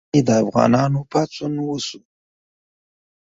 په پای کې د افغانانو پاڅون وشو.